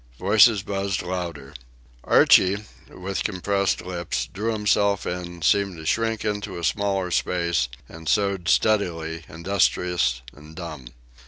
Voices buzzed louder. Archie, with compressed lips, drew himself in, seemed to shrink into a smaller space, and sewed steadily, industrious and dumb.